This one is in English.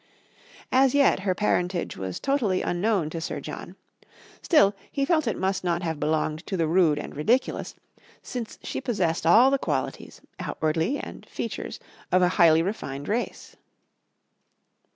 As yet her parentage was totally unknown to Sir John; still, he felt it must not have belonged to the rude and ridiculous, since she possessed all the qualities, outwardly, and features, of a highly refined race.